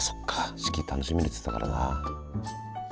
四季楽しみにっつってたからな。